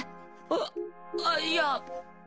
あっあっいや。